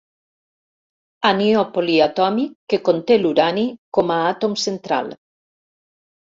Anió poliatòmic que conté l'urani com a àtom central.